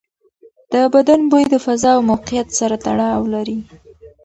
د بدن بوی د فضا او موقعیت سره تړاو لري.